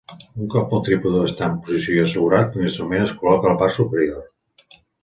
Un cop el trípode està en posició i assegurat, l'instrument es col·loca a la part superior.